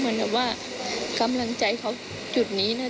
แต่ว่าคำลังใจเขาจุดนี้นะ